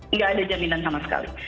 nggak ada jaminan sama sekali